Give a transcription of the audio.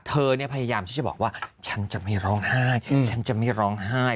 เธอเนี่ยพยายามที่จะบอกว่าฉันจะไม่ร้องไห้ฉันจะไม่ร้องไห้